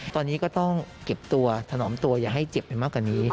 ตอนนี้ก็ต้องเก็บตัวถนอมตัวอย่าให้เจ็บไปมากกว่านี้